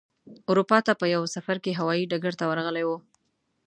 اروپا ته په یوه سفر کې هوايي ډګر ته ورغلی و.